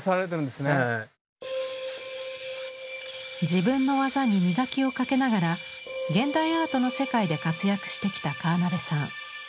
自分の技に磨きをかけながら現代アートの世界で活躍してきた川邉さん。